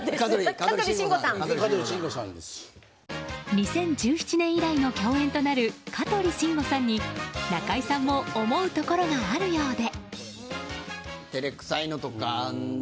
２０１７年以来の共演となる香取慎吾さんに中居さんも思うところがあるようで。